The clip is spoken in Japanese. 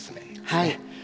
はい。